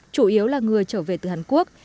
chủ yếu là người trở về từ hàn quốc